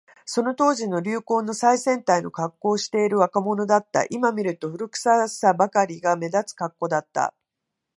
その当時の流行の最先端のカッコをしている若者だった。今見ると、古臭さばかりが目立つカッコだった。